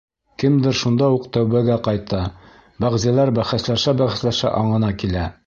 Кемдер шунда уҡ тәүбәгә ҡайта, бәғзеләр бәхәсләшә-бәхәсләшә аңына килә.